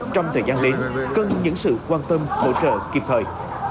trong thời gian đến cần những sự quan tâm hỗ trợ kịp thời